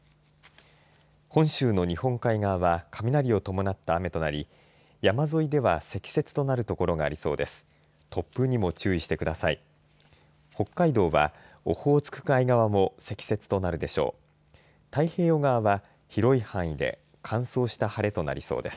本州の日本海側は雷を伴った雨となり山沿いでは積雪となる所がありそうです。